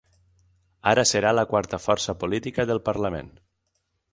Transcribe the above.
Ara serà la quarta força política del parlament.